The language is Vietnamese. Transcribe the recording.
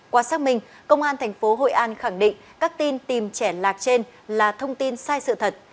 qua xác minh công an tp hội an khẳng định các tin tìm trẻ lạc trên là thông tin sai sự thật